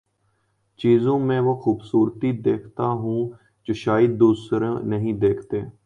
چیزوں میں وہ خوبصورتی دیکھتا ہوں جو شائد دوسرے نہیں دیکھتے